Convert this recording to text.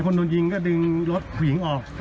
คนโดนยิงก็ดึงรถผู้หญิงออก